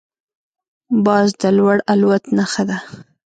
باز د لوړ الوت نښه ده